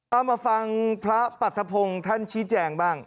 เอามาฟังพระปรัฐพงศ์ท่านชี้แจงบ้าง